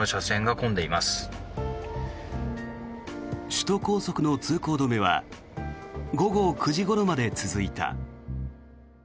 首都高速の通行止めは午後９時ごろまで続いた。